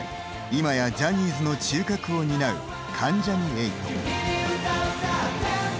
今やジャニーズの中核を担う関ジャニ∞。